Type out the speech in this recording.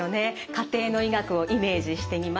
家庭の医学をイメージしてみました。